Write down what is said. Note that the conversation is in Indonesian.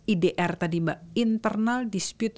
idr tadi mbak internal dispute